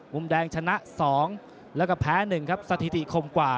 มุมแดงชนะ๒แล้วก็แพ้๑ครับสถิติคมกว่า